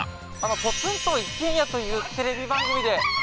ポツンと一軒家というテレえっ？